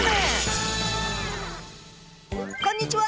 こんにちは！